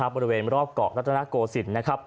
บริเวณรอบเกาะรัฐนาโกศิลป์